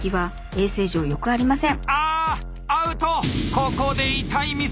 ここで痛いミス。